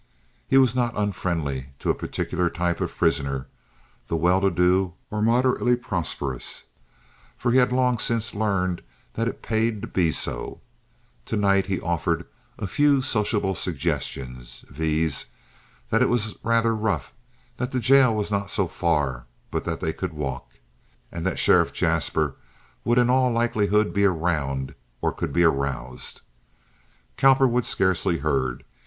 He was not unfriendly to a particular type of prisoner—the well to do or moderately prosperous—for he had long since learned that it paid to be so. To night he offered a few sociable suggestions—viz., that it was rather rough, that the jail was not so far but that they could walk, and that Sheriff Jaspers would, in all likelihood, be around or could be aroused. Cowperwood scarcely heard.